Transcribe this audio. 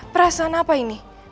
perasaan apa ini